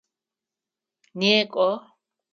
Некӏо!